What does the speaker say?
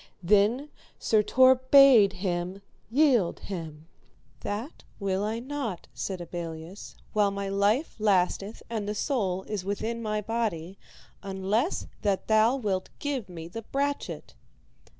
Then Sir Tor bade him yield him. That will I not, said Abelleus, while my life lasteth and the soul is within my body, unless that thou wilt give me the brachet.